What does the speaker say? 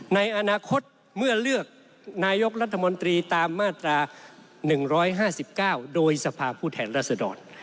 ในอนาคตเมื่อเลือกนายกรัฐมนตรีตามมาตรา๑๕๙โดยสภาพผู้แทนรัศดร